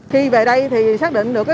khi về đây thì xác định được